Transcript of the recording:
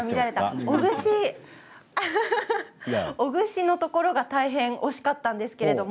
おぐしのところが大変惜しかったんです。